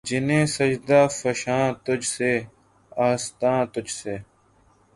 جبینِ سجدہ فشاں تجھ سے‘ آستاں تجھ سے